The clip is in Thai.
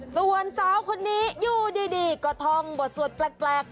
ส่วนสาวคนนี้อยู่ดีก็ท่องบทสวดแปลก